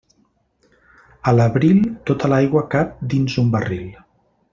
A l'abril, tota l'aigua cap dins un barril.